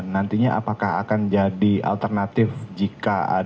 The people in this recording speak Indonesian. nantinya apakah akan jadi alternatif untuk pemanfaatan rumah sakit ini sendiri